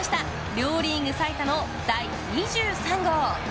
両リーグ最多の第２３号。